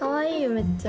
めっちゃ。